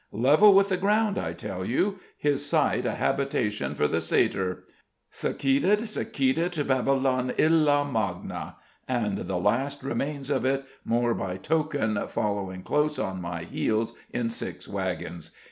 "Level with the ground, I tell you his site a habitation for the satyr. Cecidit, cecidit Babylon illa magna! and the last remains of it, more by token, following close on my heels in six wagons.